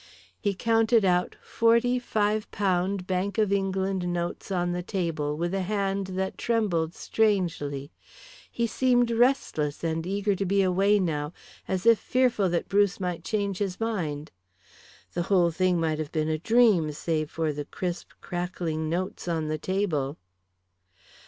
He counted out forty £5 Bank of England notes on the table with a hand that trembled strangely. He seemed restless and eager to be away now, as if fearful that Bruce might change his mind. The whole thing might have been a dream save for the crisp crackling notes on the table.